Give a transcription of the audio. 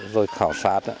rồi khảo sát